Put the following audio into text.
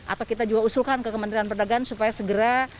atau kita juga usulkan ke kementerian perdagangan supaya segera